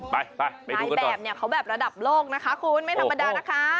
ไปไปดูกันก่อนนายแบบเขาแบบระดับโลกนะคะคุณไม่ธรรมดานะคะ